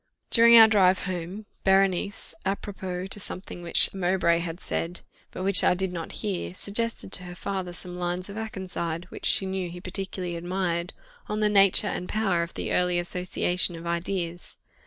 During our drive home, Berenice, apropos to something which Mowbray had said, but which I did not hear, suggested to her father some lines of Akenside, which she knew he particularly admired, on the nature and power of the early association of ideas.